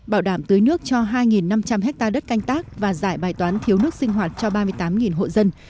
bảo đảm tưới nước cho hai năm trăm linh hectare đất canh tác và giải bài toán thiếu nước sinh hoạt cho ba mươi tám hộ dân